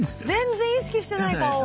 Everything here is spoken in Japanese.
全然意識してない顔。